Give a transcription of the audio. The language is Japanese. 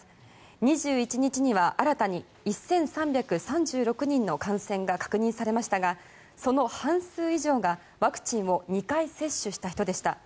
２１日には新たに１３３６人の感染が確認されましたがその半数以上がワクチンを２回接種した人でした。